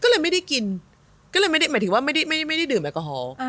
หมายถึงว่าไม่ได้ดื่มแอลกอฮอล์